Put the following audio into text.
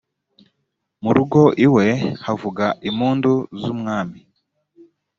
murugo iwe havuga impundu z’umwami.